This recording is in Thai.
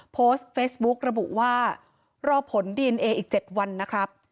โพสต์เฟซบุ๊กระบุว่ารอผลดีเอนเออีก๗วันนะครับ